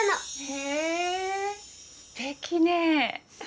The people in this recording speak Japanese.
すてきねぇ。